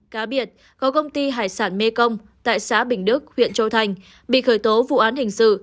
cá biệt có công ty hải sản mê công tại xã bình đức huyện châu thành bị khởi tố vụ án hình sự